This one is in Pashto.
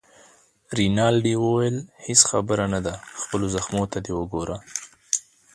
رینالډي وویل: هیڅ خبره نه ده، خپلو زخمو ته دې وګوره.